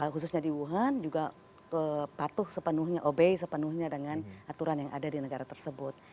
khususnya di wuhan juga patuh sepenuhnya obe sepenuhnya dengan aturan yang ada di negara tersebut